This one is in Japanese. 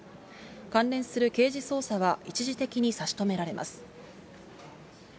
関連する刑事捜査は一時的に差し止められます。